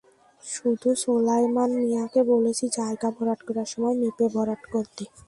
শুধু সোলায়মান মিয়াকে বলেছি জায়গা ভরাট করার সময় মেপে ভরাট করতে।